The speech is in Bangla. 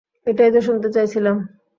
এটাই তো শুনতে চাইছিলাম।